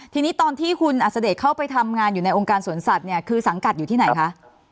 อ๋อดังนี้คือมันต้องเรื่องที่ร้องเรียนตอนปี๖๑เลยค่ะ